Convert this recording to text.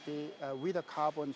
dengan cara tanpa karbon